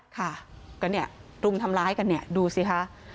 ค่ะก็เนี่ยรุมทำร้ายกันเนี่ยดูสิคะ